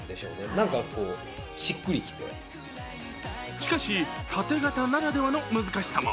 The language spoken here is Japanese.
しかし、縦型ならではの難しさも。